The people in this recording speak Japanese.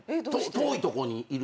遠いとこにいるし。